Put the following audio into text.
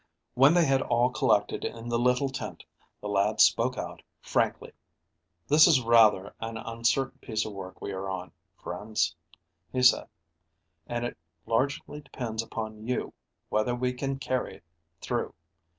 When they had all collected in the little tent, the lad spoke out frankly. "This is rather an uncertain piece of work we are on, friends," he said; "and it largely depends upon you whether we can carry it through.